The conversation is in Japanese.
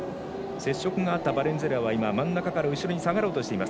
接触があったバレンスエラは真ん中から後ろに下がろうとしています。